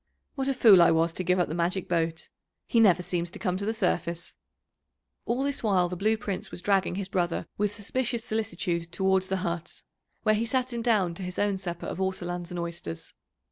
What a fool I was to give up the magic boat! He never seems to come to the surface." All this while the Blue Prince was dragging his brother with suspicious solicitude towards the hut, where he sat him down to his own supper of ortolans and oysters.